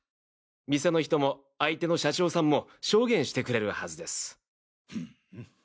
店の人も相手の社長さんも証言してくれるはずです。